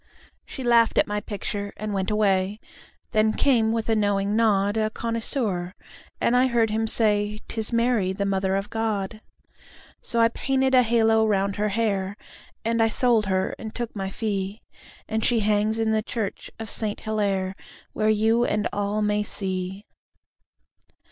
She laughed at my picture and went away. Then came, with a knowing nod, A connoisseur, and I heard him say; "'Tis Mary, the Mother of God." So I painted a halo round her hair, And I sold her and took my fee, And she hangs in the church of Saint Hillaire, Where you and all may see.